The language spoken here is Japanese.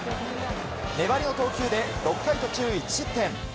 粘りの投球で６回途中１失点。